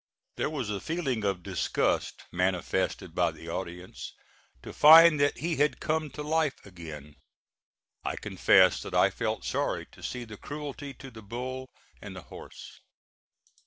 There was a feeling of disgust manifested by the audience to find that he had come to life again. I confess that I felt sorry to see the cruelty to the bull and the horse.